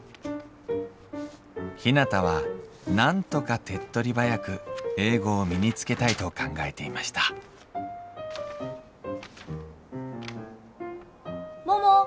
ひなたはなんとか手っとり早く英語を身につけたいと考えていました・桃。